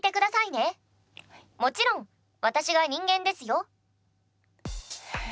もちろん私が人間ですよ。